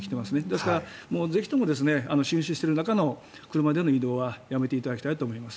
ですからぜひとも浸水している中での車での移動はやめていただきたいと思います。